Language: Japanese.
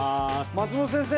松本先生。